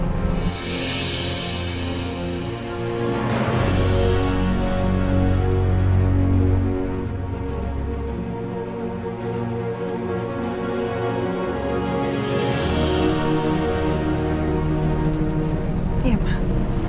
terima kasih ya sayang